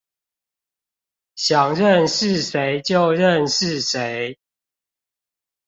想認識誰就認識誰